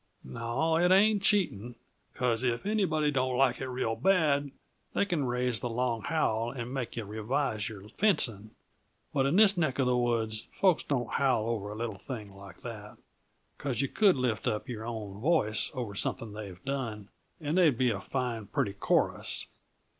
No, it ain't cheating, because if anybody don't like it real bad, they can raise the long howl and make yuh revise your fencing; but in this neck uh the woods folks don't howl over a little thing like that, because you could lift up your own voice over something they've done, and there'd be a fine, pretty chorus!